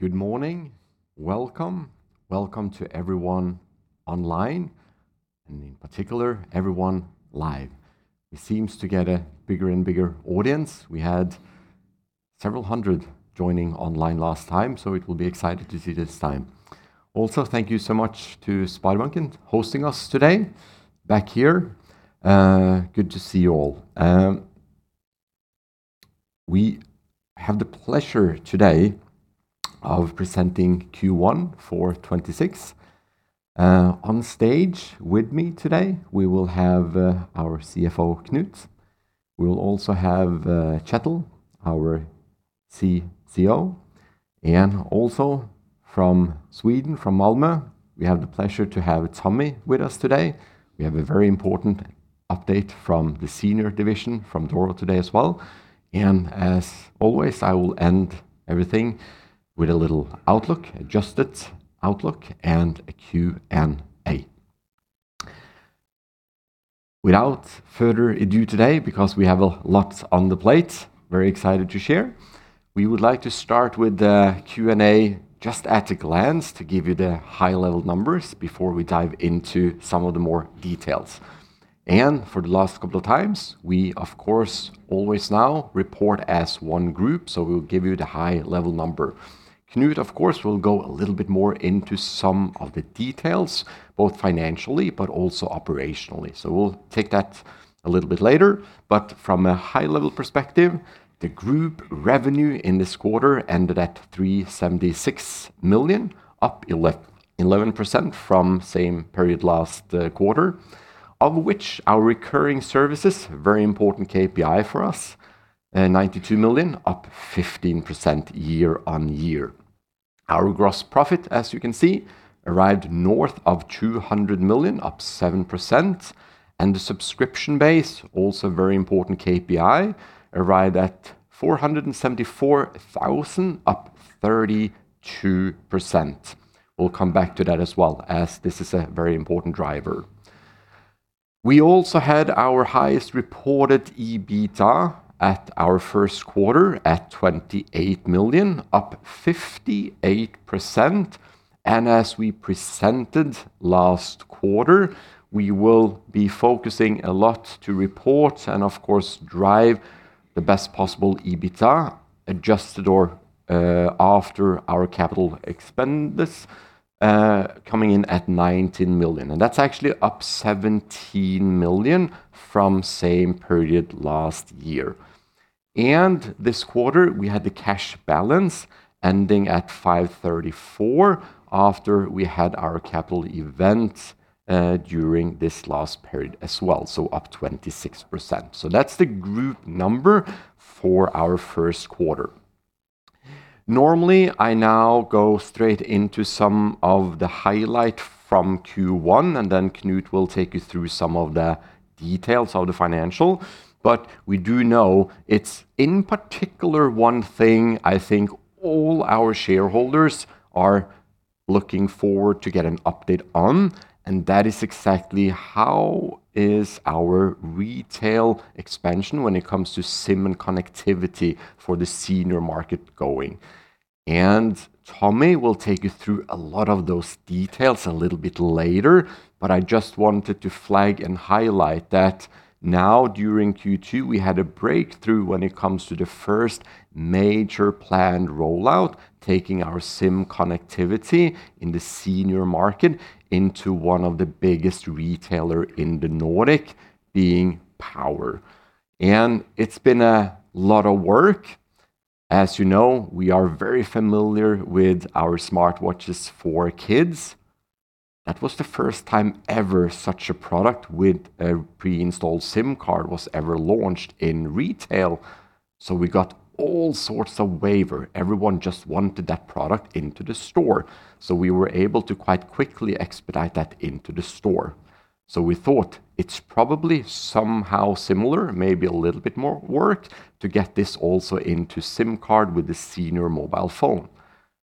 Good morning. Welcome. Welcome to everyone online, and in particular, everyone live. We seem to get a bigger and bigger audience. We had several hundred joining online last time, so it will be exciting to see this time. Also, thank you so much to SpareBank Markets hosting us today back here. Good to see you all. We have the pleasure today of presenting Q1 for 2026. On stage with me today, we will have our CFO, Knut. We'll also have Kjetil, our CCO, and also from Sweden, from Malmö, we have the pleasure to have Tommy with us today. We have a very important update from the senior division, from Doro today as well. As always, I will end everything with a little outlook, adjusted outlook, and a Q&A. Without further ado today, because we have a lot on the plate, very excited to share. We would like to start with the Q&A just at a glance to give you the high-level numbers before we dive into some of the more details. For the last couple of times, we of course, always now report as one group, we'll give you the high-level number. Knut, of course, will go a little bit more into some of the details, both financially but also operationally. We'll take that a little bit later. From a high-level perspective, the group revenue in this quarter ended at 376 million, up 11% from same period last quarter, of which our recurring services, very important KPI for us, 92 million, up 15% year-on-year. Our gross profit, as you can see, arrived north of 200 million, up 7%, the subscription base, also very important KPI, arrived at 474,000, up 32%. We'll come back to that as well as this is a very important driver. We also had our highest reported EBITDA at our Q1 at 28 million, up 58%. As we presented last quarter, we will be focusing a lot to report and of course, drive the best possible EBITDA, adjusted or after our capital expenditures, coming in at 19 million. That's actually up 17 million from same period last year. This quarter, we had the cash balance ending at 534 after we had our capital event during this last period as well. Up 26%. That's the group number for our Q1. Normally, I now go straight into some of the highlight from Q1, then Knut will take you through some of the details of the financial. We do know it's in particular one thing I think all our shareholders are looking forward to get an update on, and that is exactly how is our retail expansion when it comes to SIM and connectivity for the senior market going. Tommy will take you through a lot of those details a little bit later. I just wanted to flag and highlight that now during Q2, we had a breakthrough when it comes to the first major planned rollout, taking our SIM connectivity in the senior market into one of the biggest retailer in the Nordic, being Power. It's been a lot of work. As you know, we are very familiar with our smartwatches for kids. That was the first time ever such a product with a pre-installed SIM card was ever launched in retail. We got all sorts of waiver. Everyone just wanted that product into the store. We were able to quite quickly expedite that into the store. We thought it's probably somehow similar, maybe a little bit more work to get this also into SIM card with the senior mobile phone.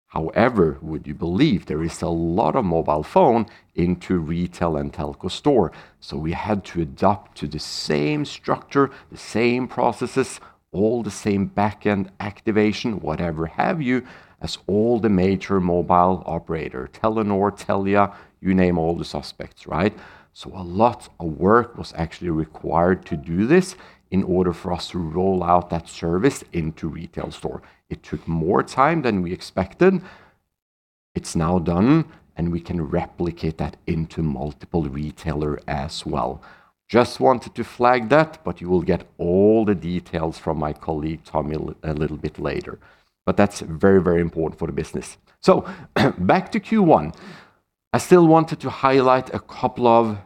However, would you believe there is a lot of mobile phone into retail and telco store? We had to adapt to the same structure, the same processes, all the same back-end activation, whatever have you, as all the major mobile operator, Telenor, or Telia, you name all the suspects. A lot of work was actually required to do this in order for us to roll out that service into retail store. It took more time than we expected. It's now done, and we can replicate that into multiple retailer as well. Just wanted to flag that. You will get all the details from my colleague, Tommy, a little bit later. That's very important for the business. Back to Q1. I still wanted to highlight a couple of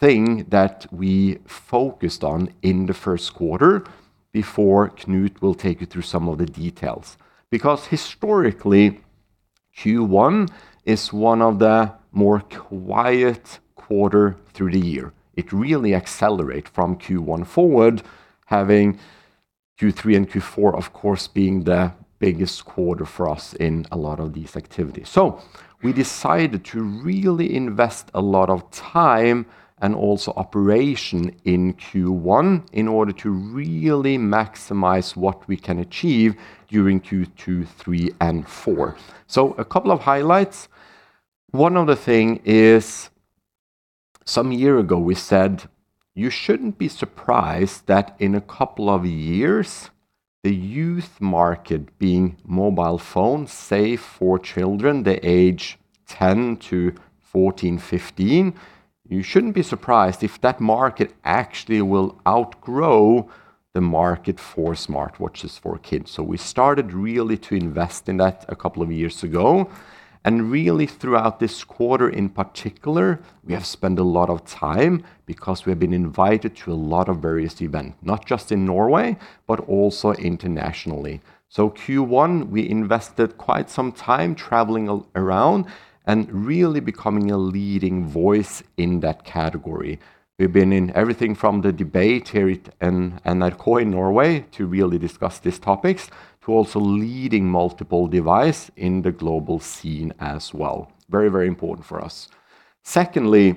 thing that we focused on in the Q1 before Knut will take you through some of the details. Historically, Q1 is one of the more quiet quarter through the year. It really accelerate from Q1 forward, having Q3 and Q4, of course, being the biggest quarter for us in a lot of these activities. We decided to really invest a lot of time and also operation in Q1 in order to really maximize what we can achieve during Q2, three and four. A couple of highlights. One of the thing is. Some year ago, we said you shouldn't be surprised that in a couple of years, the youth market, being mobile phones, say, for children the age 10 to 14, 15, you shouldn't be surprised if that market actually will outgrow the market for smartwatches for kids. We started really to invest in that a couple of years ago. Really throughout this quarter in particular, we have spent a lot of time because we have been invited to a lot of various event, not just in Norway, but also internationally. Q1, we invested quite some time traveling around and really becoming a leading voice in that category. We've been in everything from the debate here at NRK in Norway to really discuss these topics, to also leading multiple device in the global scene as well. Very important for us. Secondly,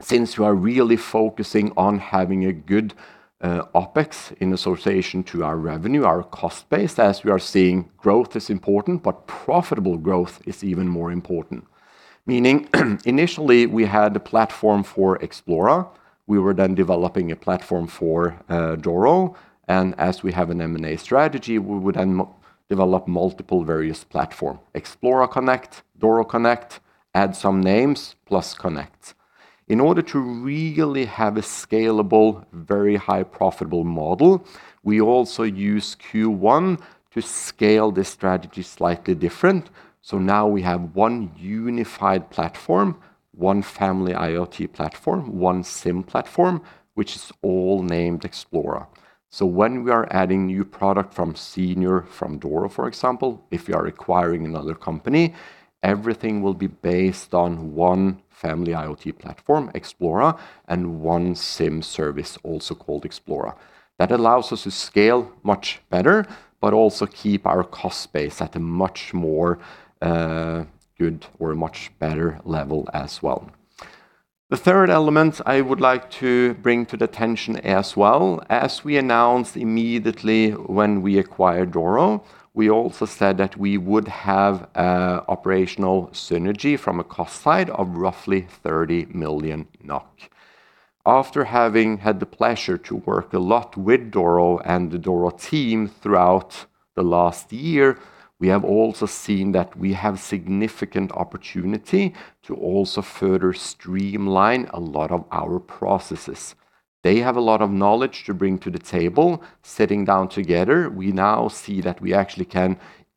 since we are really focusing on having a good OpEx in association to our revenue, our cost base, as we are seeing growth is important, but profitable growth is even more important. Meaning, initially we had a platform for Xplora. We were then developing a platform for Doro, and as we have an M&A strategy, we would then develop multiple various platform, Xplora Connect, Doro Connect, add some names, plus connect. In order to really have a scalable, very high profitable model, we also use Q1 to scale this strategy slightly different. Now we have one unified platform, one family IoT platform, one SIM platform, which is all named Xplora. When we are adding new product from senior, from Doro, for example, if we are acquiring another company, everything will be based on one family IoT platform, Xplora, and one SIM service also called Xplora. That allows us to scale much better, but also keep our cost base at a much more good or a much better level as well. The third element I would like to bring to the attention as well, as we announced immediately when we acquired Doro, we also said that we would have operational synergy from a cost side of roughly 30 million NOK. After having had the pleasure to work a lot with Doro and the Doro team throughout the last year, we have also seen that we have significant opportunity to also further streamline a lot of our processes. They have a lot of knowledge to bring to the table. Sitting down together, we now see that we actually can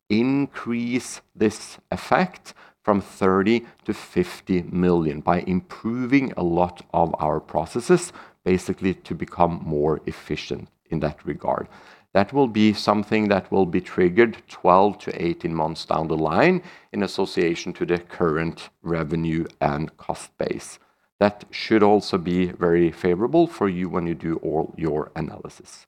increase this effect from 30 million to 50 million by improving a lot of our processes, basically to become more efficient in that regard. That will be something that will be triggered 12-18 months down the line in association to the current revenue and cost base. That should also be very favorable for you when you do all your analysis.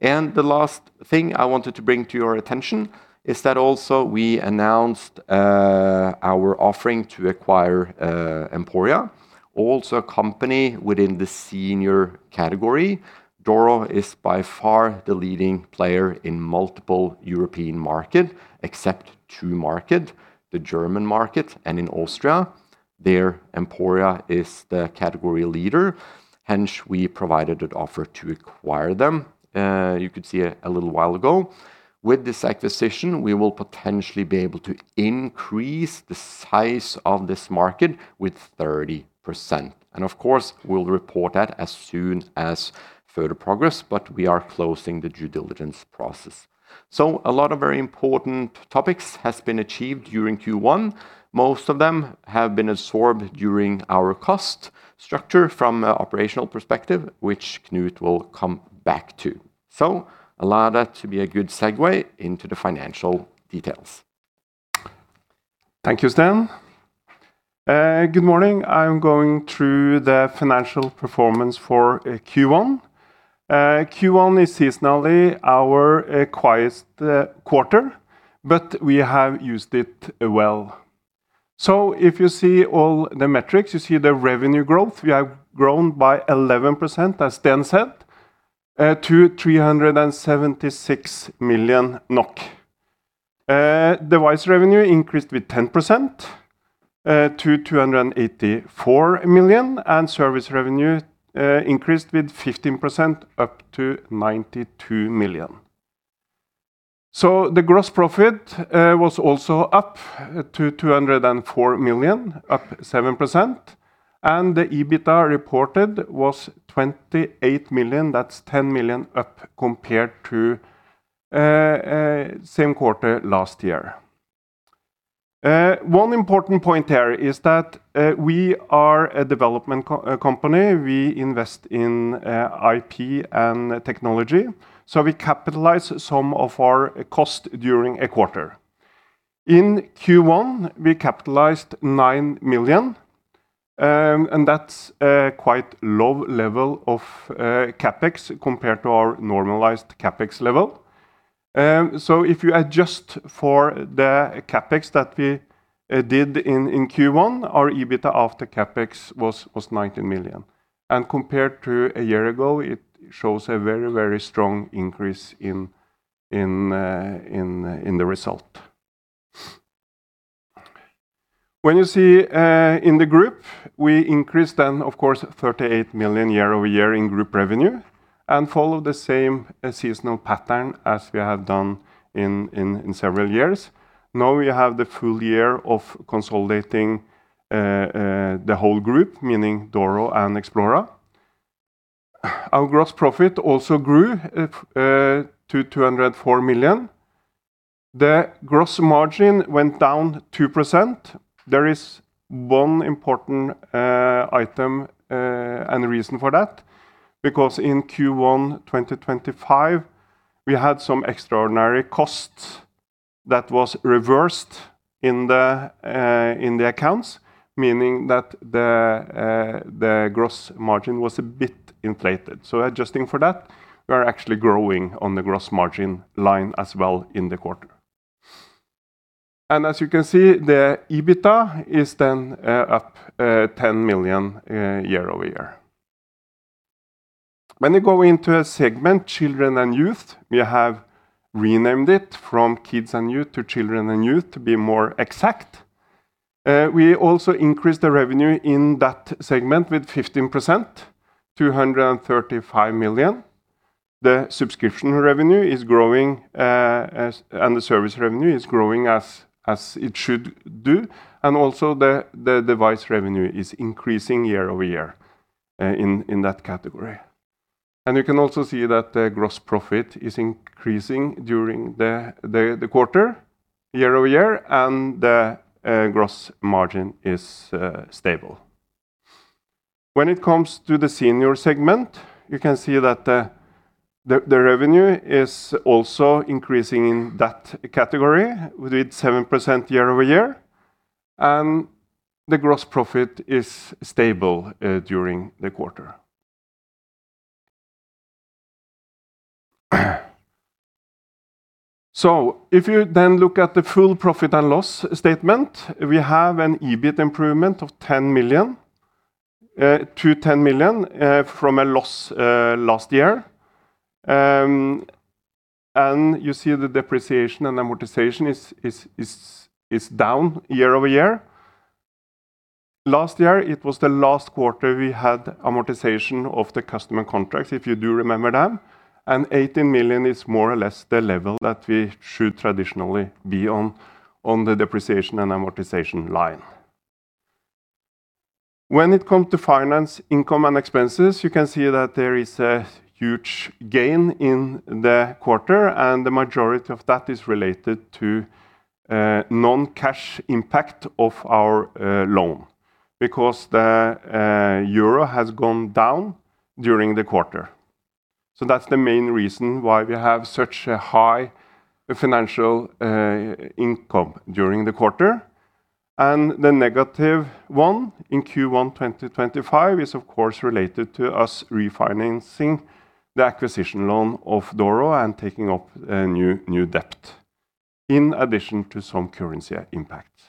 The last thing I wanted to bring to your attention is that also we announced our offering to acquire Emporia, also a company within the senior category. Doro is by far the leading player in multiple European market, except two markets, the German market and in Austria. There, Emporia is the category leader, hence we provided an offer to acquire them. You could see a little while ago. With this acquisition, we will potentially be able to increase the size of this market with 30%. Of course, we'll report that as soon as further progress, but we are closing the due diligence process. A lot of very important topics has been achieved during Q1. Most of them have been absorbed during our cost structure from a operational perspective, which Knut will come back to. Allow that to be a good segue into the financial details. Thank you, Sten. Good morning. I'm going through the financial performance for Q1. Q1 is seasonally our quietest quarter. We have used it well. If you see all the metrics, you see the revenue growth. We have grown by 11%, as Sten said, to NOK 376 million. Device revenue increased with 10% to 284 million. Service revenue increased with 15% up to 92 million. The gross profit was also up to 204 million, up 7%. The EBITDA reported was 28 million. That's 10 million up compared to same quarter last year. One important point here is that we are a development company. We invest in IP and technology. We capitalize some of our cost during a quarter. In Q1, we capitalized 9 million. That's a quite low level of CapEx compared to our normalized CapEx level. If you adjust for the CapEx that we did in Q1, our EBITDA after CapEx was 19 million. Compared to a year ago, it shows a very strong increase in the result. When you see in the group, we increased then, of course, 38 million year-over-year in group revenue and follow the same seasonal pattern as we have done in several years. Now we have the full year of consolidating the whole group, meaning Doro and Xplora. Our gross profit also grew to 204 million. The gross margin went down 2%. There is one important item and reason for that, because in Q1 2025, we had some extraordinary costs that was reversed in the accounts, meaning that the gross margin was a bit inflated. Adjusting for that, we are actually growing on the gross margin line as well in the quarter. As you can see, the EBITDA is up NOK 10 million year-over-year. We go into a segment, Children and Youth, we have renamed it from kids and youth to Children and Youth to be more exact. We also increased the revenue in that segment with 15%, 235 million. The subscription revenue and the service revenue is growing as it should do, and also the device revenue is increasing year-over-year in that category. You can also see that the gross profit is increasing during the quarter year-over-year and the gross margin is stable. It comes to the senior segment, you can see that the revenue is also increasing in that category with 7% year-over-year. The gross profit is stable during the quarter. If you look at the full profit and loss statement, we have an EBIT improvement to 10 million from a loss last year. You see the depreciation and amortization is down year-over-year. Last year, it was the last quarter we had amortization of the customer contracts, if you do remember them. 18 million is more or less the level that we should traditionally be on the depreciation and amortization line. When it come to finance income and expenses, you can see that there is a huge gain in the quarter. The majority of that is related to non-cash impact of our loan because the EUR has gone down during the quarter. That's the main reason why we have such a high financial income during the quarter. The negative one in Q1 2025 is, of course, related to us refinancing the acquisition loan of Doro and taking up a new debt, in addition to some currency impact.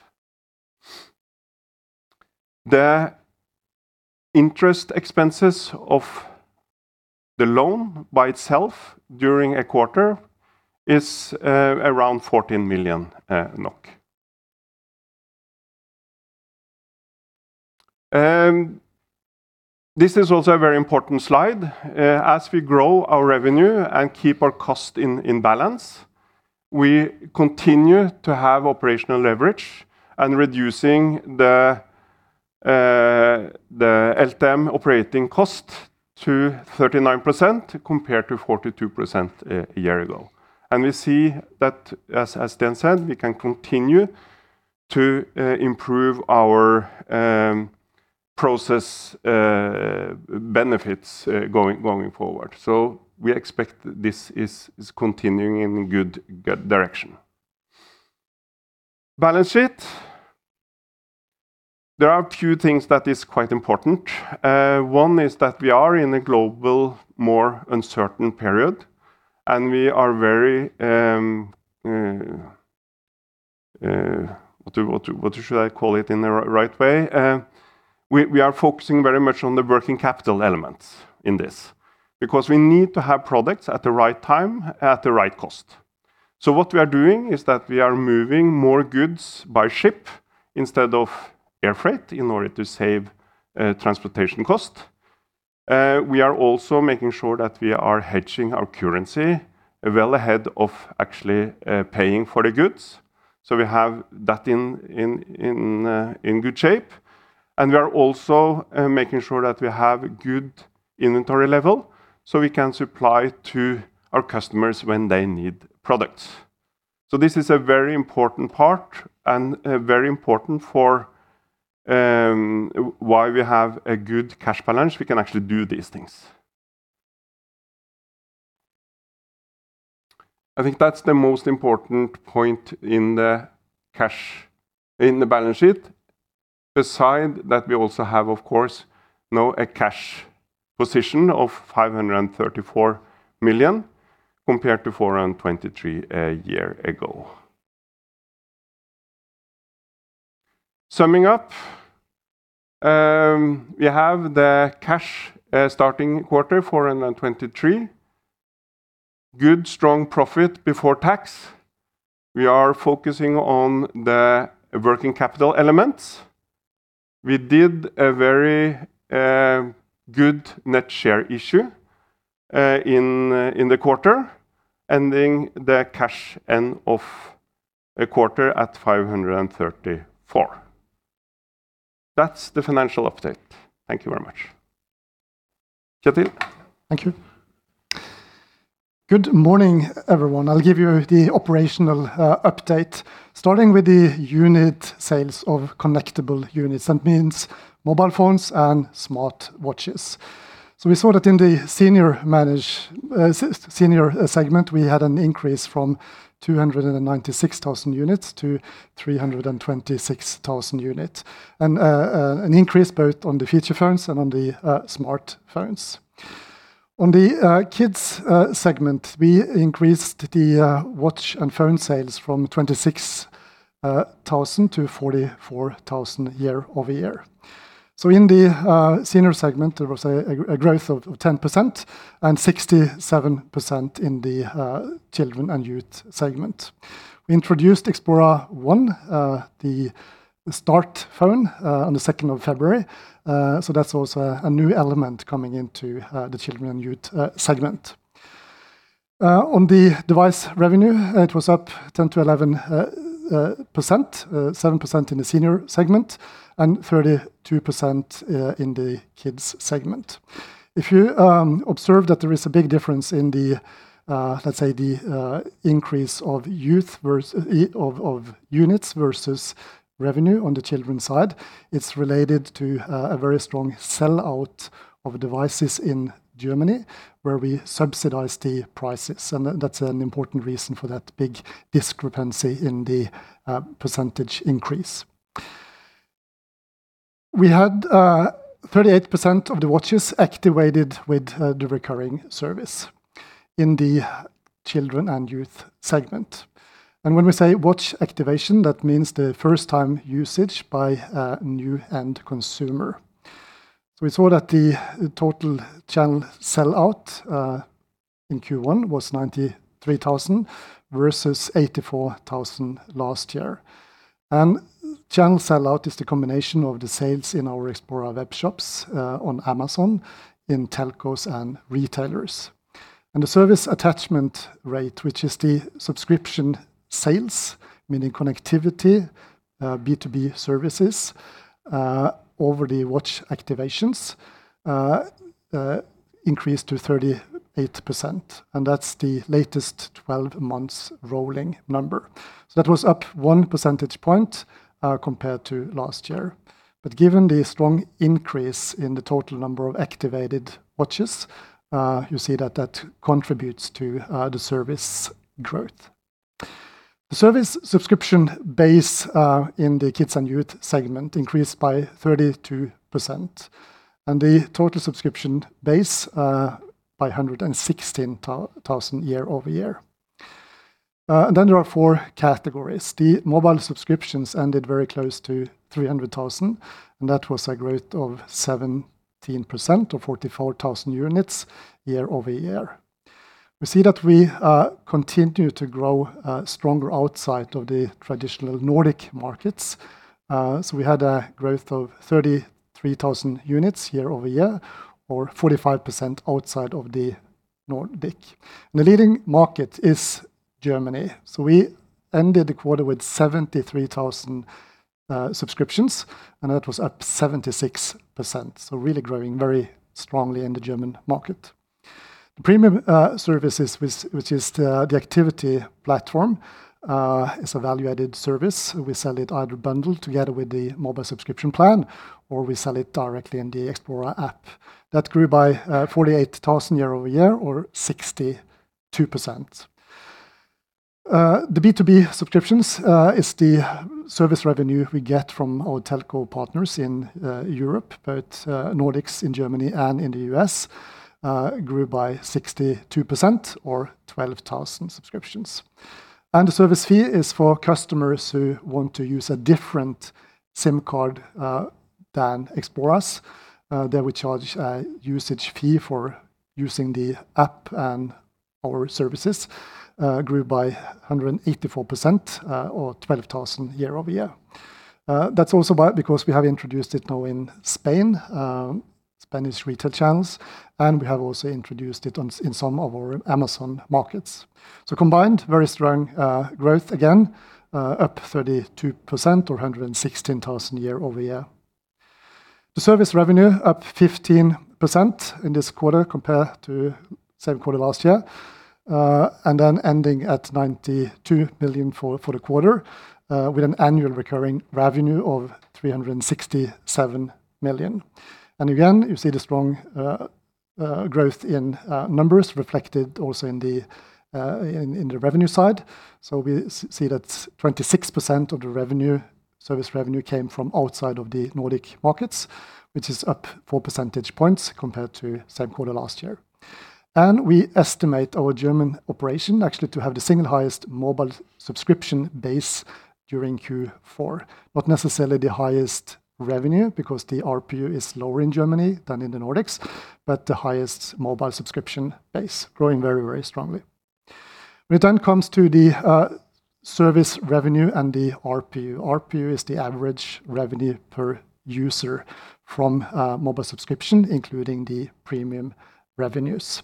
The interest expenses of the loan by itself during a quarter is around NOK 14 million. This is also a very important slide. As we grow our revenue and keep our cost in balance, we continue to have operational leverage and reducing the LTM operating cost to 39% compared to 42% a year ago. We see that, as Sten Kirkbak said, we can continue to improve our process benefits going forward. We expect this is continuing in good direction. Balance sheet. There are few things that are quite important. One is that we are in a global, more uncertain period, and we are very, what should I call it in the right way? We are focusing very much on the working capital elements in this because we need to have products at the right time, at the right cost. What we are doing is that we are moving more goods by ship instead of air freight in order to save transportation cost. We are also making sure that we are hedging our currency well ahead of actually paying for the goods. We have that in good shape, and we are also making sure that we have good inventory level so we can supply to our customers when they need products. This is a very important part and very important for why we have a good cash balance. We can actually do these things. I think that's the most important point in the balance sheet. Beside that, we also have, of course, now a cash position of 534 million compared to 423 a year ago. Summing up, we have the cash starting quarter, 423. Good, strong profit before tax. We are focusing on the working capital elements. We did a very good net share issue in the quarter, ending the cash end of the quarter at 534. That's the financial update. Thank you very much. Kjetil? Thank you. Good morning, everyone. I'll give you the operational update, starting with the unit sales of connectable units. That means mobile phones and smartwatches. We saw that in the senior segment, we had an increase from 296,000 units to 326,000 units, and an increase both on the feature phones and on the smartphones. On the kids segment, we increased the watch and phone sales from 26,000 to 44,000 year-over-year. In the senior segment, there was a growth of 10% and 67% in the children and youth segment. We introduced XploraOne, the start phone, on the February 2nd. That's also a new element coming into the children and youth segment. On the device revenue, it was up 10%-11%, 7% in the senior segment and 32% in the kids segment. If you observe that there is a big difference in, let's say, the increase of units versus revenue on the children side, it's related to a very strong sellout of devices in Germany, where we subsidize the prices. That's an important reason for that big discrepancy in the percentage increase. We had 38% of the watches activated with the recurring service in the children and youth segment. When we say watch activation, that means the first time usage by a new end consumer. We saw that the total channel sellout in Q1 was 93,000 versus 84,000 last year. Channel sellout is the combination of the sales in our Xplora web shops on Amazon, in telcos, and retailers. The service attachment rate, which is the subscription sales, meaning connectivity, B2B services over the watch activations, increased to 38%. That's the latest 12 months rolling number. That was up 1 percentage point compared to last year. Given the strong increase in the total number of activated watches, you see that that contributes to the service growth. The service subscription base in the kids and youth segment increased by 32% and the total subscription base by 116,000 year-over-year. There are four categories. The mobile subscriptions ended very close to 300,000, and that was a growth of 17% or 44,000 units year-over-year. We see that we continue to grow stronger outside of the traditional Nordic markets. We had a growth of 33,000 units year-over-year or 45% outside of the Nordic. The leading market is Germany. We ended the quarter with 73,000 subscriptions, and that was up 76%. Really growing very strongly in the German market. The premium services, which is the Activity Platform, is a value-added service. We sell it either bundled together with the mobile subscription plan, or we sell it directly in the Xplora app. That grew by 48,000 year-over-year or 62%. The B2B subscriptions is the service revenue we get from our telco partners in Europe, both Nordics, in Germany, and in the U.S., grew by 62% or 12,000 subscriptions. The service fee is for customers who want to use a different SIM card than Xplora's. There we charge a usage fee for using the app and our services. Grew by 184% or 12,000 year-over-year. That's also because we have introduced it now in Spain, Spanish retail channels, and we have also introduced it in some of our Amazon markets. Combined, very strong growth again, up 32% or 116,000 year-over-year. The service revenue up 15% in this quarter compared to the same quarter last year, and then ending at 92 million for the quarter with an annual recurring revenue of 367 million. Again, you see the strong growth in numbers reflected also in the revenue side. We see that 26% of the service revenue came from outside of the Nordic markets, which is up four percentage points compared to the same quarter last year. We estimate our German operation actually to have the single highest mobile subscription base during Q4. Not necessarily the highest revenue, because the ARPU is lower in Germany than in the Nordics, but the highest mobile subscription base growing very, very strongly. We then comes to the service revenue and the ARPU. ARPU is the average revenue per user from mobile subscription, including the premium revenues.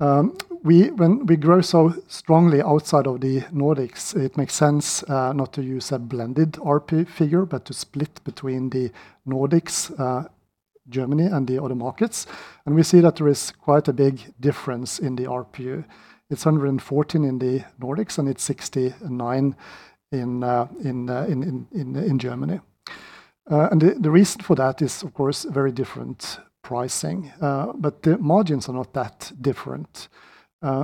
We grow so strongly outside of the Nordics, it makes sense not to use a blended ARPU figure, but to split between the Nordics, Germany, and the other markets. We see that there is quite a big difference in the ARPU. It's 114 in the Nordics, and it's 69 in Germany. The reason for that is, of course, very different pricing. The margins are not that different,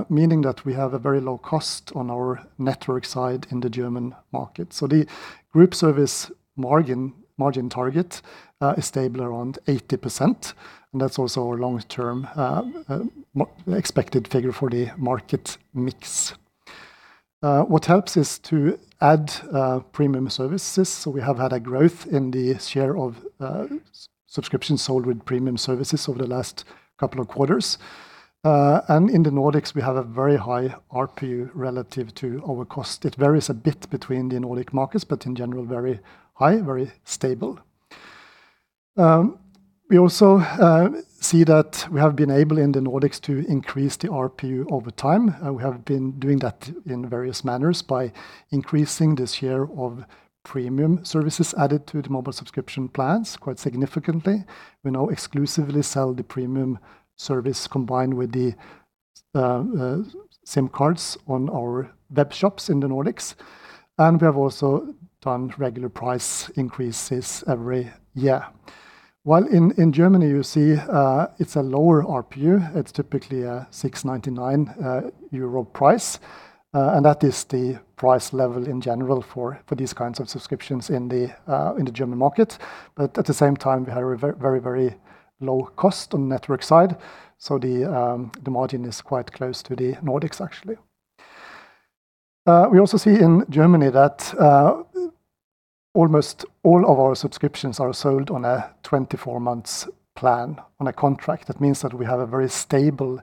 meaning that we have a very low cost on our network side in the German market. The group service margin target is stable around 80%, and that's also our long-term expected figure for the market mix. What helps is to add premium services. We have had a growth in the share of subscriptions sold with premium services over the last couple of quarters. In the Nordics, we have a very high ARPU relative to our cost. It varies a bit between the Nordic markets, but in general, very high, very stable. We also see that we have been able, in the Nordics, to increase the ARPU over time. We have been doing that in various manners by increasing the share of premium services added to the mobile subscription plans quite significantly. We now exclusively sell the premium service combined with the SIM cards on our web shops in the Nordics. We have also done regular price increases every year. While in Germany, you see it's a lower ARPU. It's typically a 6.99 euro price, that is the price level in general for these kinds of subscriptions in the German market. At the same time, we have a very low cost on the network side. The margin is quite close to the Nordics, actually. We also see in Germany that almost all of our subscriptions are sold on a 24 months plan on a contract. That means that we have a very stable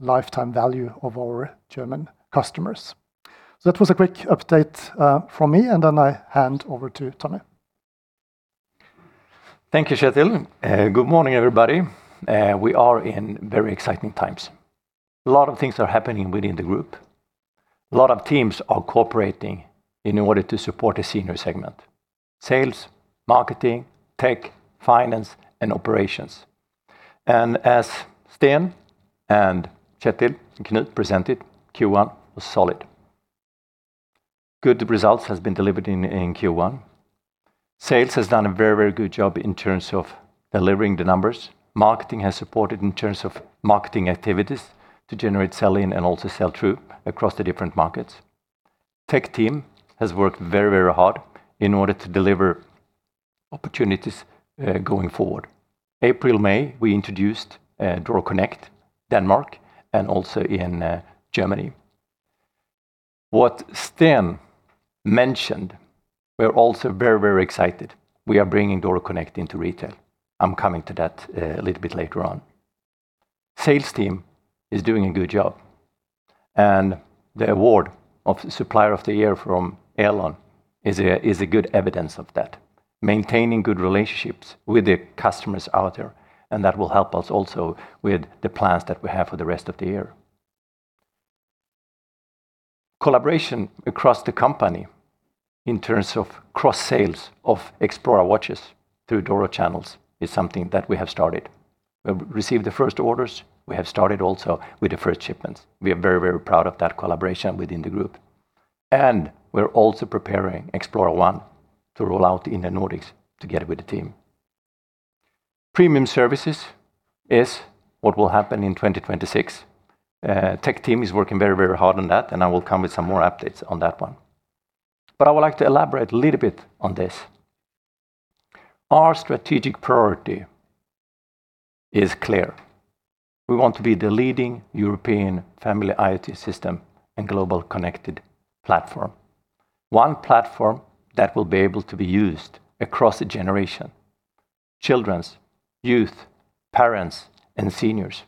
lifetime value of our German customers. That was a quick update from me, and then I hand over to Tommy. Thank you, Kjetil. Good morning, everybody. We are in very exciting times. A lot of things are happening within the group. A lot of teams are cooperating in order to support the senior segment, sales, marketing, tech, finance, and operations. As Sten and Kjetil presented, Q1 was solid. Good results has been delivered in Q1. Sales has done a very good job in terms of delivering the numbers. Marketing has supported in terms of marketing activities to generate sell in and also sell through across the different markets. Tech team has worked very hard in order to deliver opportunities going forward. April, May, we introduced Doro Connect Denmark and also in Germany. What Sten mentioned, we're also very excited. We are bringing Doro Connect into retail. I'm coming to that a little bit later on. Sales team is doing a good job. The award of Supplier of the Year from Elon is a good evidence of that, maintaining good relationships with the customers out there, and that will help us also with the plans that we have for the rest of the year. Collaboration across the company in terms of cross-sales of Xplora watches through Doro channels is something that we have started. We have received the first orders. We have started also with the first shipments. We are very proud of that collaboration within the group. We're also preparing XploraOne to roll out in the Nordics together with the team. Premium services is what will happen in 2026. Tech team is working very hard on that, and I will come with some more updates on that one. I would like to elaborate a little bit on this. Our strategic priority is clear. We want to be the leading European family IoT system and global connected platform. One platform that will be able to be used across a generation, children's, youth, parents, and seniors,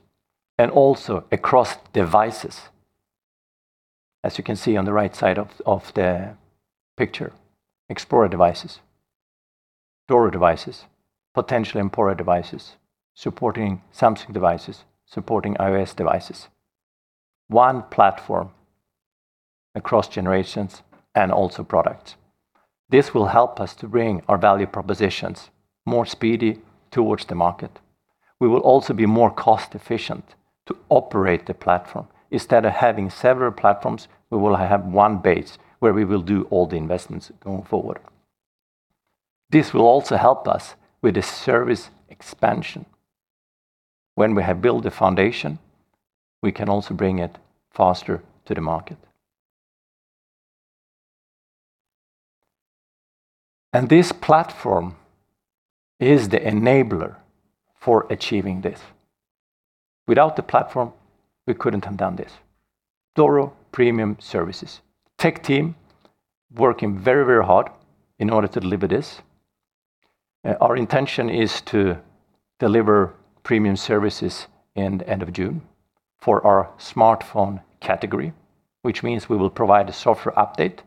and also across devices. As you can see on the right side of the picture, Xplora devices, Doro devices, potential Emporia devices, supporting Samsung devices, supporting iOS devices. One platform across generations and also products. This will help us to bring our value propositions more speedy towards the market. We will also be more cost-efficient to operate the platform. Instead of having several platforms, we will have one base where we will do all the investments going forward. This will also help us with the service expansion. When we have built the foundation, we can also bring it faster to the market. This platform is the enabler for achieving this. Without the platform, we couldn't have done this. Doro Premium Services. Tech team working very hard in order to deliver this. Our intention is to deliver premium services in the end of June for our smartphone category, which means we will provide a software update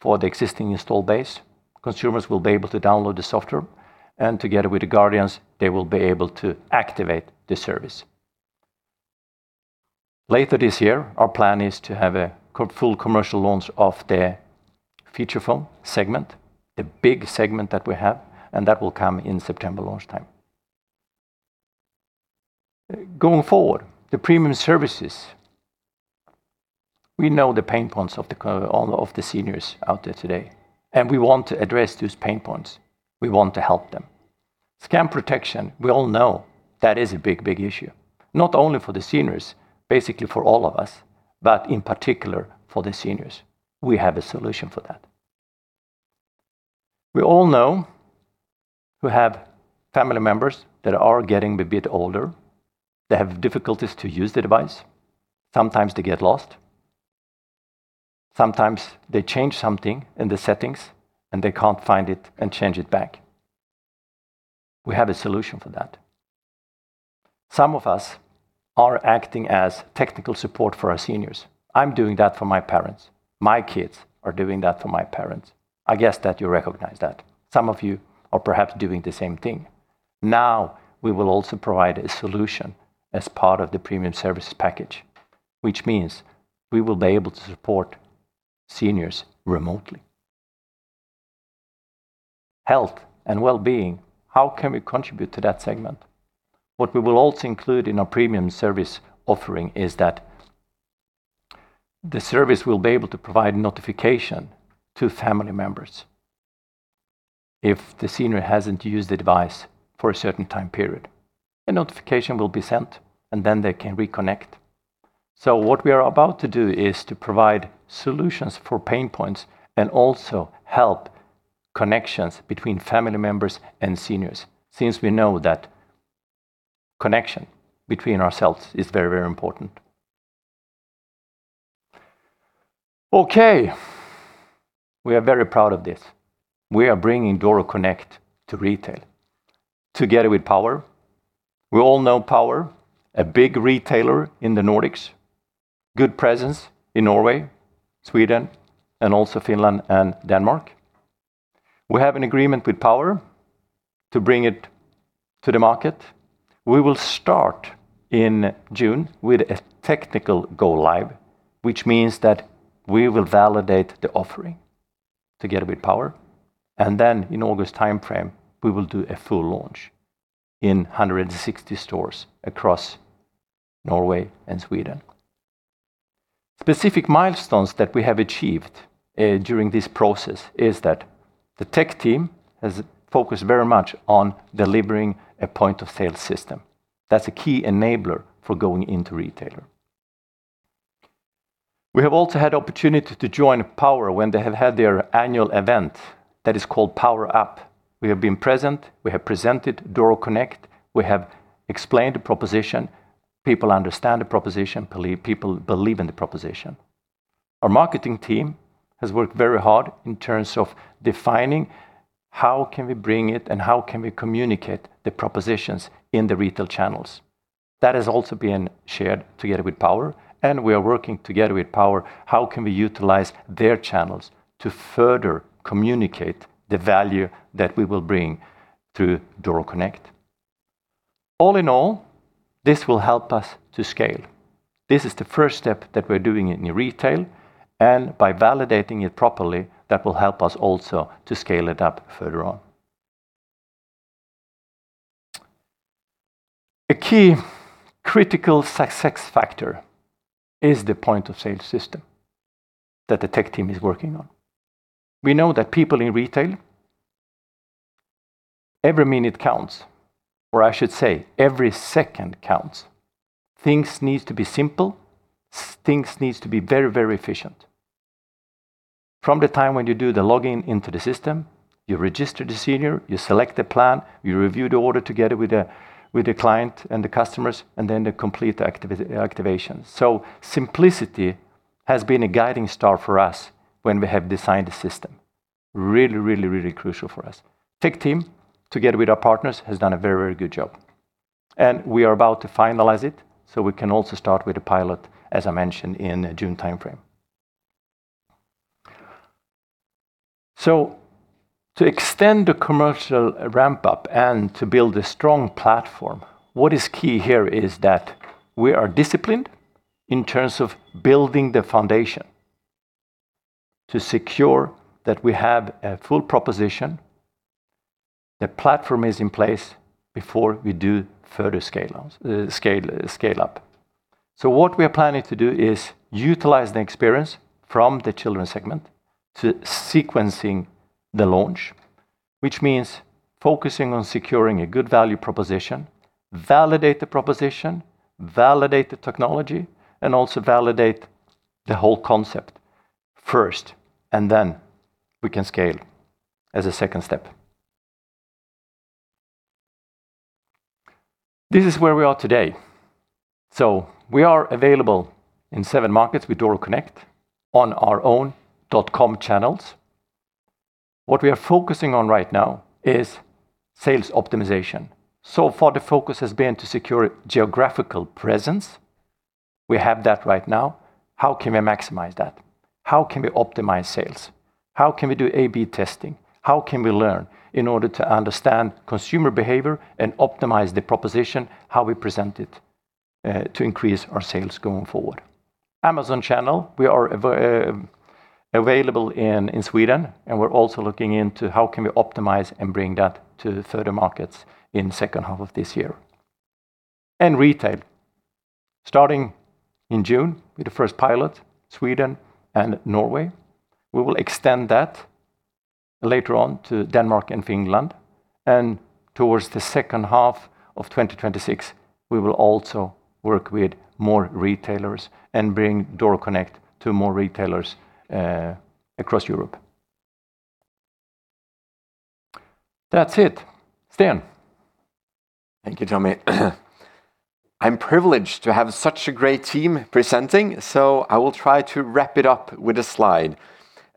for the existing install base. Consumers will be able to download the software and together with the guardians, they will be able to activate the service. Later this year, our plan is to have a full commercial launch of the feature phone segment, the big segment that we have. That will come in September launch time. Going forward, the premium services. We know the pain points of the seniors out there today, and we want to address those pain points. We want to help them. Scam protection, we all know that is a big issue. Not only for the seniors, basically for all of us, but in particular for the seniors. We have a solution for that. We all know who have family members that are getting a bit older. They have difficulties to use the device. Sometimes they get lost. Sometimes they change something in the settings and they can't find it and change it back. We have a solution for that. Some of us are acting as technical support for our seniors. I'm doing that for my parents. My kids are doing that for my parents. I guess that you recognize that. Some of you are perhaps doing the same thing. We will also provide a solution as part of the premium service package, which means we will be able to support seniors remotely. Health and wellbeing, how can we contribute to that segment? What we will also include in our premium service offering is that the service will be able to provide notification to family members if the senior hasn't used the device for a certain time period. A notification will be sent and then they can reconnect. What we are about to do is to provide solutions for pain points and also help connections between family members and seniors, since we know that connection between ourselves is very important. We are very proud of this. We are bringing Doro Connect to retail together with Power. We all know Power, a big retailer in the Nordics, good presence in Norway, Sweden, and also Finland and Denmark. We have an agreement with Power to bring it to the market. We will start in June with a technical go live, which means that we will validate the offering together with Power, and then in August timeframe, we will do a full launch in 160 stores across Norway and Sweden. Specific milestones that we have achieved during this process is that the tech team has focused very much on delivering a point-of-sale system. That's a key enabler for going into retailer. We have also had opportunity to join Power when they have had their annual event that is called Power Up. We have been present. We have presented Doro Connect. We have explained the proposition. People understand the proposition. People believe in the proposition. Our marketing team has worked very hard in terms of defining how can we bring it and how can we communicate the propositions in the retail channels. That has also been shared together with Power, and we are working together with Power, how can we utilize their channels to further communicate the value that we will bring to Doro Connect. All in all, this will help us to scale. This is the first step that we're doing it in retail, and by validating it properly, that will help us also to scale it up further on. A key critical success factor is the point-of-sale system that the tech team is working on. We know that people in retail, every minute counts, or I should say, every second counts. Things needs to be simple, things needs to be very efficient. From the time when you do the login into the system, you register the senior, you select the plan, you review the order together with the client and the customers, and then the complete activation. Simplicity has been a guiding star for us when we have designed the system. Really crucial for us. Tech team, together with our partners, has done a very good job. We are about to finalize it, so we can also start with the pilot, as I mentioned, in June timeframe. To extend the commercial ramp-up and to build a strong platform, what is key here is that we are disciplined in terms of building the foundation to secure that we have a full proposition. The platform is in place before we do further scale-up. What we are planning to do is utilize the experience from the children segment to sequencing the launch, which means focusing on securing a good value proposition, validate the proposition, validate the technology, and also validate the whole concept first, and then we can scale as a second step. This is where we are today. We are available in seven markets with Doro Connect on our own dot-com channels. What we are focusing on right now is sales optimization. So far, the focus has been to secure geographical presence. We have that right now. How can we maximize that? How can we optimize sales? How can we do A/B testing? How can we learn in order to understand consumer behavior and optimize the proposition, how we present it to increase our sales going forward? Amazon channel, we are available in Sweden, and we're also looking into how can we optimize and bring that to further markets in second half of this year. Retail, starting in June with the first pilot, Sweden and Norway. We will extend that later on to Denmark and Finland. Towards the H2 of 2026, we will also work with more retailers and bring Doro Connect to more retailers across Europe. That's it. Sten. Thank you, Tommy. I'm privileged to have such a great team presenting, so I will try to wrap it up with a slide.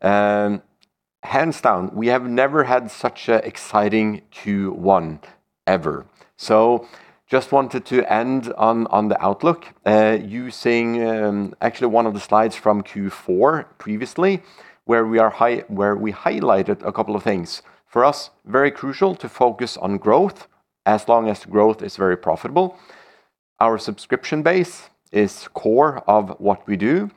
Hands down, we have never had such an exciting Q1 ever. Just wanted to end on the outlook using actually one of the slides from Q4 previously, where we highlighted a couple of things. For us, very crucial to focus on growth as long as growth is very profitable. Our subscription base is core of what we do.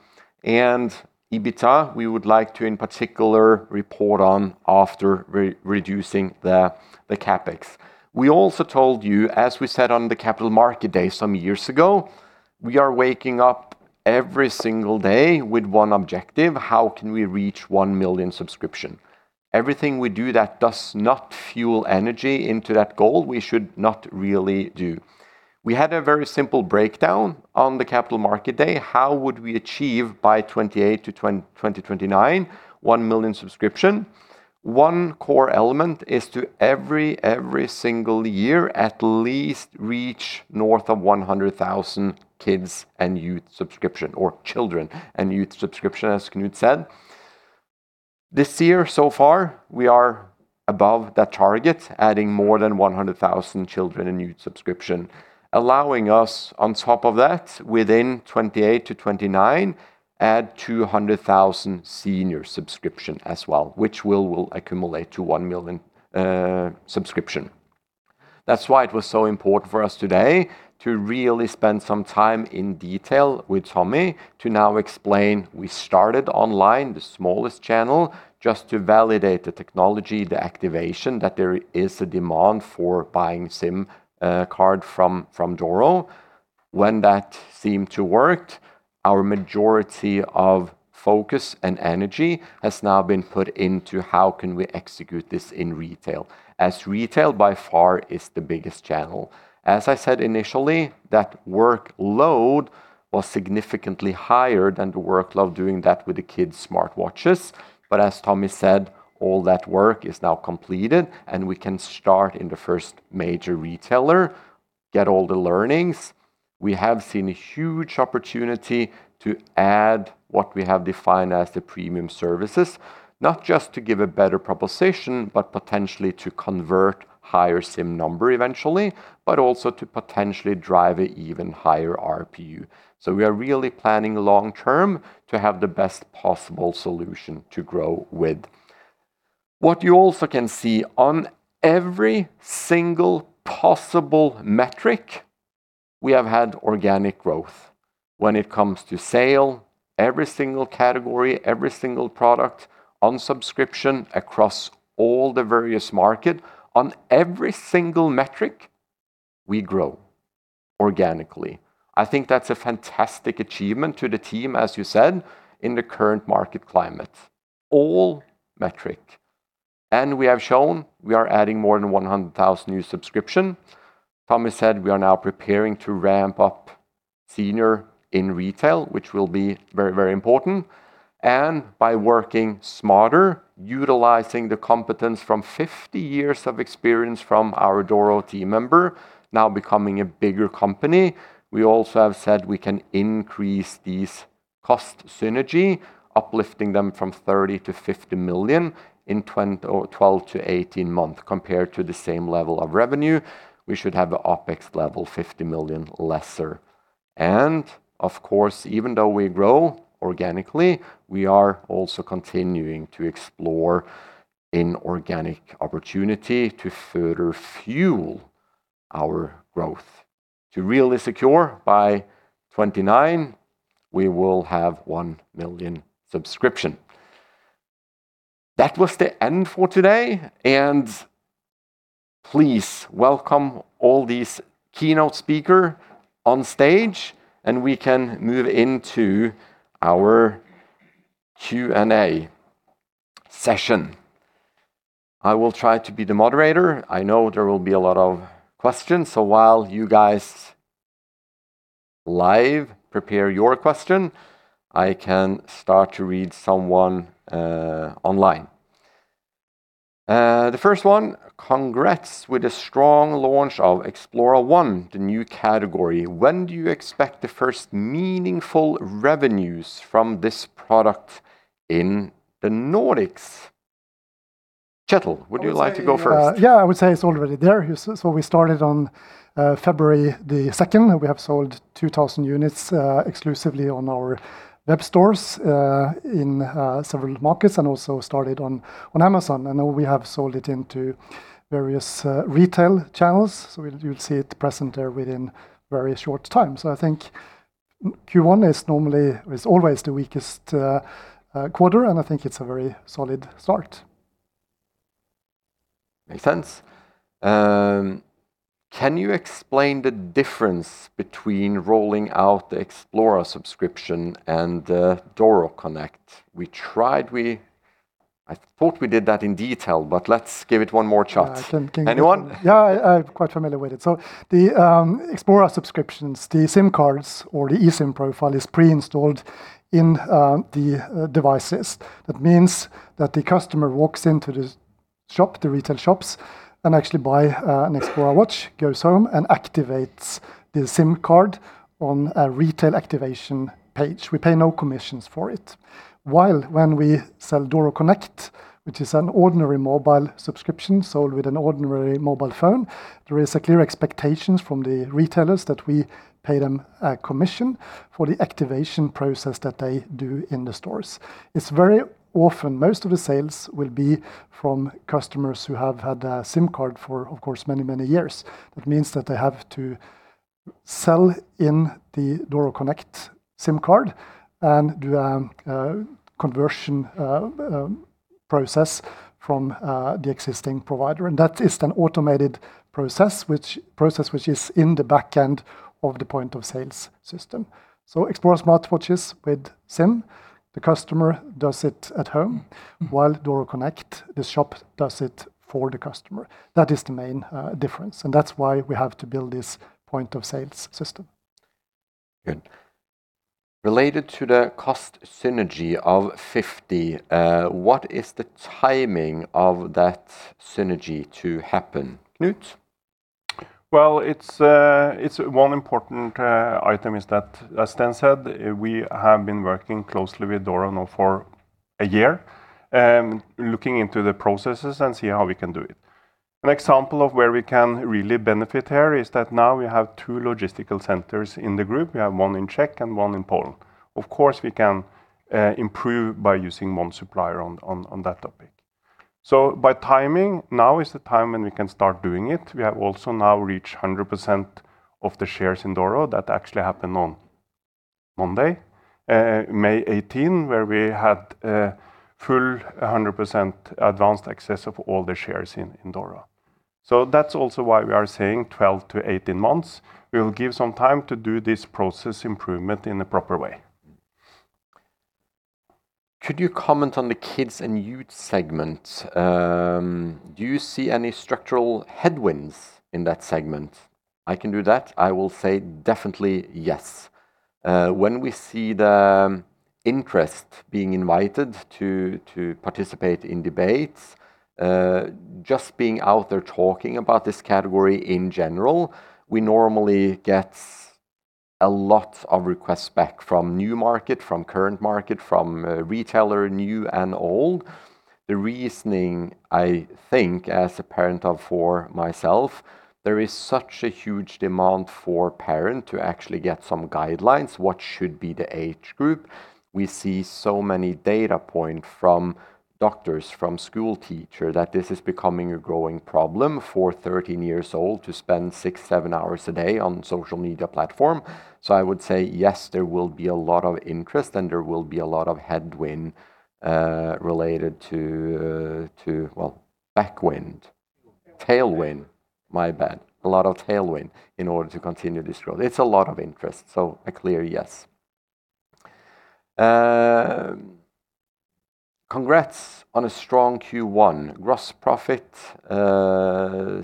EBITDA, we would like to, in particular, report on after reducing the CapEx. We also told you, as we said on the capital market day some years ago, we are waking up every single day with one objective. How can we reach 1 million subscription? Everything we do that does not fuel energy into that goal, we should not really do. We had a very simple breakdown on the capital market day. How would we achieve by 2028 to 2029, 1 million subscriptions? One core element is to every single year at least reach north of 100,000 kids and youth subscriptions or children and youth subscriptions, as Knut said. This year so far, we are above that target, adding more than 100,000 children and youth subscriptions, allowing us, on top of that, within 2028 to 2029, add 200,000 senior subscriptions as well, which will accumulate to 1 million subscriptions. That's why it was so important for us today to really spend some time in detail with Tommy to now explain we started online, the smallest channel, just to validate the technology, the activation, that there is a demand for buying SIM card from Doro. When that seemed to work, our majority of focus and energy has now been put into how can we execute this in retail, as retail by far is the biggest channel. As I said initially, that workload was significantly higher than the workload doing that with the kids' smartwatches. As Tommy said, all that work is now completed and we can start in the first major retailer, get all the learnings. We have seen a huge opportunity to add what we have defined as the premium services, not just to give a better proposition, but potentially to convert higher SIM number eventually, but also to potentially drive an even higher RPU. We are really planning long term to have the best possible solution to grow with. What you also can see on every single possible metric, we have had organic growth. When it comes to sale, every single category, every single product on subscription across all the various market, on every single metric, we grow organically. I think that's a fantastic achievement to the team, as you said, in the current market climate. All metric. We have shown we are adding more than 100,000 new subscription. Tommy said we are now preparing to ramp up senior in retail, which will be very important. By working smarter, utilizing the competence from 50 years of experience from our Doro team member now becoming a bigger company, we also have said we can increase these cost synergy, uplifting them from 30 million-50 million in 12-18 months. Compared to the same level of revenue, we should have the OpEx level 50 million lesser. Of course, even though we grow organically, we are also continuing to explore inorganic opportunity to further fuel our growth. To really secure by 2029, we will have 1 million subscription. That was the end for today. Please welcome all these keynote speaker on stage and we can move into our Q&A session. I will try to be the moderator. I know there will be a lot of questions. While you guys Live, prepare your question. I can start to read someone online. The first one. Congrats with a strong launch of XploraOne, the new category. When do you expect the first meaningful revenues from this product in the Nordics? Kjetil, would you like to go first? Yeah, I would say it's already there. We started on February 2nd. We have sold 2,000 units exclusively on our web stores in several markets, and also started on Amazon, and now we have sold it into various retail channels. You'll see it present there within very short time. I think Q1 is always the weakest quarter, and I think it's a very solid start. Makes sense. Can you explain the difference between rolling out the Xplora subscription and the Doro Connect? I thought we did that in detail, but let's give it one more shot. Anyone? Yeah, I'm quite familiar with it. The Xplora subscriptions, the SIM cards or the eSIM profile is pre-installed in the devices. That means that the customer walks into the retail shops and actually buy an Xplora watch, goes home and activates the SIM card on a retail activation page. We pay no commissions for it. When we sell Doro Connect, which is an ordinary mobile subscription sold with an ordinary mobile phone, there is a clear expectation from the retailers that we pay them a commission for the activation process that they do in the stores. It's very often, most of the sales will be from customers who have had a SIM card for, of course, many, many years. That means that they have to sell in the Doro Connect SIM card and do a conversion process from the existing provider. That is an automated process which is in the back end of the point-of-sale system. Xplora smartwatches with SIM, the customer does it at home, while Doro Connect, the shop does it for the customer. That is the main difference, and that's why we have to build this point-of-sale system. Good. Related to the cost synergy of 50, what is the timing of that synergy to happen? Knut? Well, one important item is that, as Sten said, we have been working closely with Doro now for a year, looking into the processes and see how we can do it. An example of where we can really benefit here is that now we have two logistical centers in the group. We have one in Czech and one in Poland. Of course, we can improve by using one supplier on that topic. By timing, now is the time when we can start doing it. We have also now reached 100% of the shares in Doro. That actually happened on Monday, May 18, where we had full 100% advanced access of all the shares in Doro. That's also why we are saying 12-18 months. We will give some time to do this process improvement in a proper way. Could you comment on the kids and youth segment? Do you see any structural headwinds in that segment? I can do that. I will say definitely yes. When we see the interest being invited to participate in debates, just being out there talking about this category in general, we normally get a lot of requests back from new market, from current market, from retailer, new and old. The reasoning, I think as a parent or for myself, there is such a huge demand for parent to actually get some guidelines. What should be the age group? We see so many data point from doctors, from school teacher, that this is becoming a growing problem for 13 years old to spend six, seven hours a day on social media platform. I would say yes, there will be a lot of interest and there will be a lot of tailwind related to. A lot of tailwind in order to continue this growth. It's a lot of interest, so a clear yes. Congrats on a strong Q1. Gross profit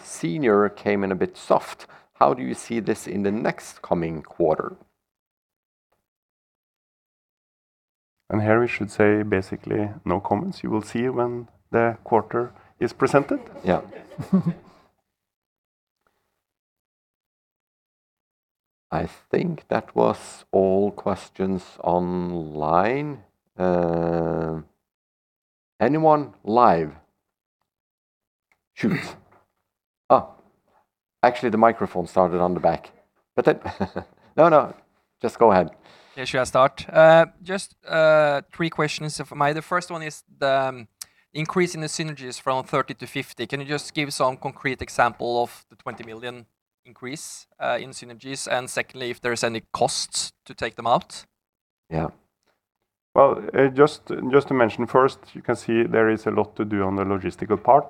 senior came in a bit soft. How do you see this in the next coming quarter? Here we should say basically no comments. You will see when the quarter is presented. Yeah. I think that was all questions online. Anyone live? Shoot. Oh, actually, the microphone started on the back. No, no, just go ahead. Yeah, should I start? Just three questions for me. The first one is the increase in the synergies from 30 million to 50 million. Can you just give some concrete example of the 20 million increase in synergies? Secondly, if there is any costs to take them out? Yeah. Well, just to mention first, you can see there is a lot to do on the logistical part,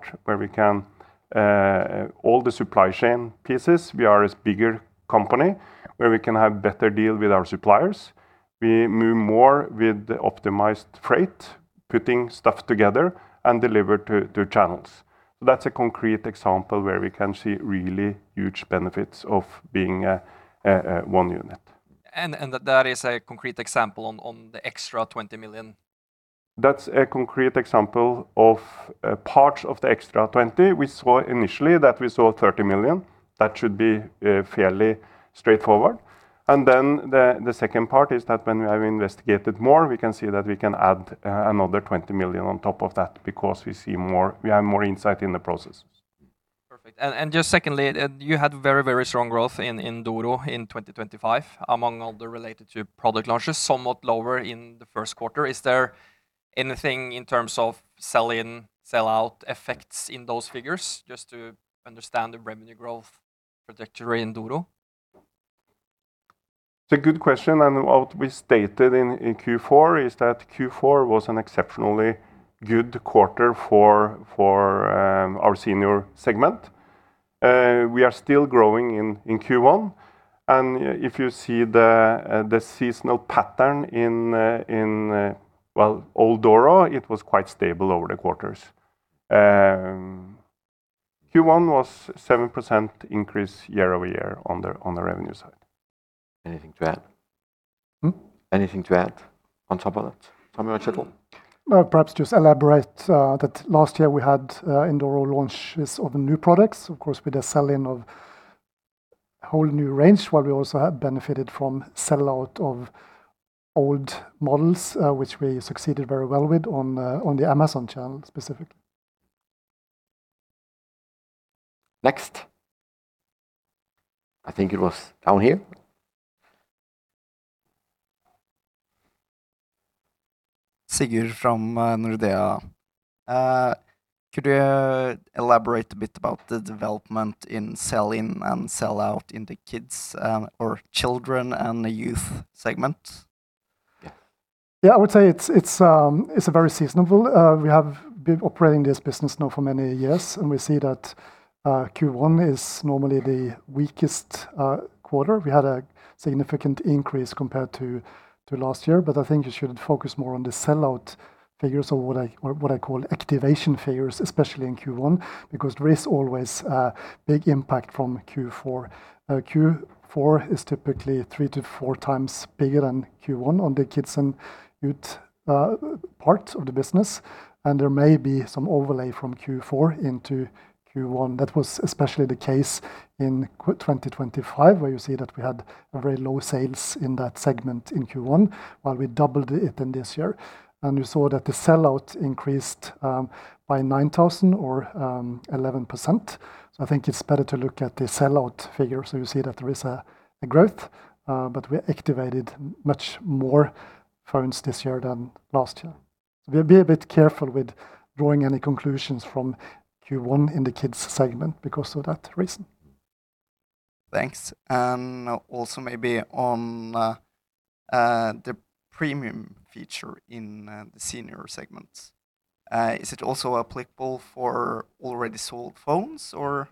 all the supply chain pieces. We are a bigger company, where we can have better deal with our suppliers. We move more with the optimized freight, putting stuff together and deliver to channels. That's a concrete example where we can see really huge benefits of being one unit. That is a concrete example on the extra 20 million? That's a concrete example of parts of the extra 20. We saw initially that we saw 30 million. That should be fairly straightforward. The second part is that when we have investigated more, we can see that we can add another 20 million on top of that because we have more insight in the processes. Perfect. Just secondly, you had very strong growth in Doro in 2025, among all the related to product launches, somewhat lower in the Q1. Is there anything in terms of sell-in, sell-out effects in those figures just to understand the revenue growth trajectory in Doro? It's a good question. What we stated in Q4 is that Q4 was an exceptionally good quarter for our senior segment. We are still growing in Q1. If you see the seasonal pattern in, well, all Doro, it was quite stable over the quarters. Q1 was 7% increase year-over-year on the revenue side. Anything to add? Anything to add on top of that, Tommy or Kjetil? Well, perhaps just elaborate that last year we had indoor launches of new products. Of course, with the sell-in of whole new range, while we also have benefited from sell-out of old models which we succeeded very well with on the Amazon channel specifically. Next. I think it was down here. Sigurd from Nordea. Could you elaborate a bit about the development in sell-in and sell-out in the kids, or children and the youth segment? I would say it's very seasonal. We have been operating this business now for many years, and we see that Q1 is normally the weakest quarter. We had a significant increase compared to last year, but I think you should focus more on the sell-out figures or what I call activation figures, especially in Q1, because there is always a big impact from Q4. Q4 is typically three to four times bigger than Q1 on the kids and youth part of the business, and there may be some overlay from Q4 into Q1. That was especially the case in 2025, where you see that we had very low sales in that segment in Q1, while we doubled it in this year. We saw that the sell-out increased by 9,000 or 11%. I think it's better to look at the sell-out figure. You see that there is a growth, but we activated much more phones this year than last year. We'll be a bit careful with drawing any conclusions from Q1 in the kids' segment because of that reason. Thanks. Also, maybe on the premium feature in the senior segments, is it also applicable for already sold phones or?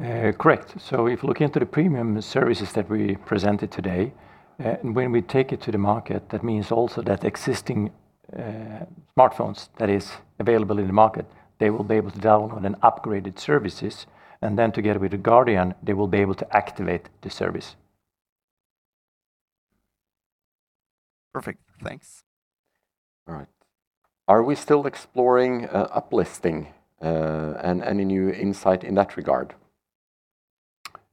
Correct. If you look into the premium services that we presented today, when we take it to the market, that means also that existing smartphones that is available in the market, they will be able to download on an upgraded services. Then together with the guardian, they will be able to activate the service. Perfect. Thanks. All right. Are we still exploring uplisting? Any new insight in that regard?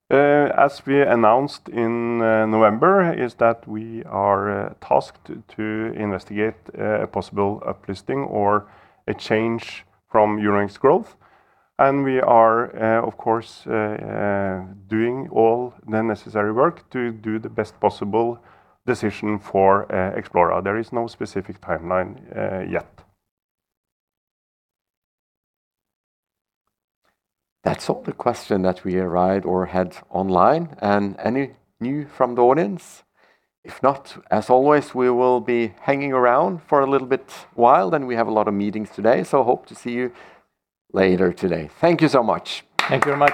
As we announced in November, is that we are tasked to investigate a possible uplisting or a change from Euronext Growth, and we are, of course, doing all the necessary work to do the best possible decision for Xplora. There is no specific timeline yet. That's all the question that we arrived or had online. Any new from the audience? If not, as always, we will be hanging around for a little bit while, then we have a lot of meetings today, so hope to see you later today. Thank you so much. Thank you very much.